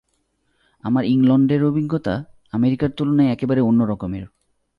আমার ইংলণ্ডের অভিজ্ঞতা আমেরিকার তুলনায় একেবারে অন্য রকমের।